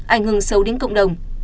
ảnh hưởng xấu đến cộng đồng